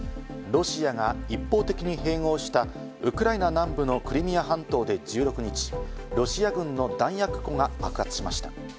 ロシアが一方的に併合したウクライナ南部のクリミア半島で１６日、ロシア軍の弾薬庫が爆発しました。